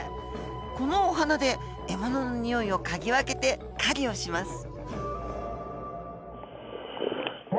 このお鼻で獲物のにおいを嗅ぎ分けて狩りをします。